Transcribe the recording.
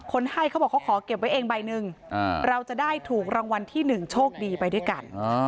ให้เขาบอกเขาขอเก็บไว้เองใบหนึ่งเราจะได้ถูกรางวัลที่๑โชคดีไปด้วยกัน